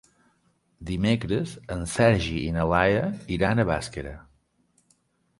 Dimecres en Sergi i na Laia iran a Bàscara.